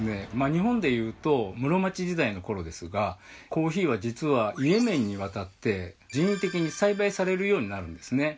日本でいうとコーヒーはじつはイエメンに渡って人為的に栽培されるようになるんですね。